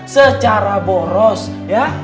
secara boros ya